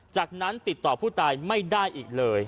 จากนั้นติดต่อผู้ตายไม่ได้อีกเลย